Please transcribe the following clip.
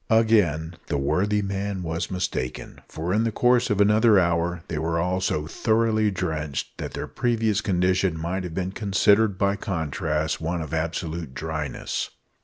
Again the worthy man was mistaken; for, in the course of another hour, they were all so thoroughly drenched, that their previous condition might have been considered, by contrast, one of absolute dryness.